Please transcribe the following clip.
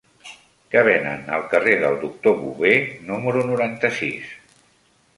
Què venen al carrer del Doctor Bové número noranta-sis?